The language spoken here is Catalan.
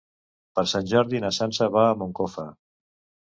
Per Sant Jordi na Sança va a Moncofa.